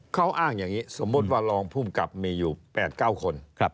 เขาอ้างอย่างนี้สมมุติว่ารองภูมิกับมีอยู่๘๙คน